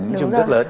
nhiễm trùng rất lớn